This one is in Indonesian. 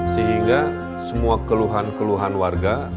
sehingga semua keluhan keluhan warga